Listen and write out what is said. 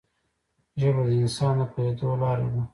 ژبه د انسان د پوهېدو لاره ده